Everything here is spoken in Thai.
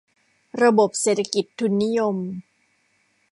ระบบเศรษฐกิจทุนนิยม